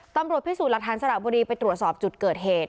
ตำรวจพิสูจน์หลักฐานสระบุรีไปตรวจสอบจุดเกิดเหตุ